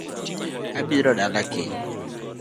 Abiro dala kiny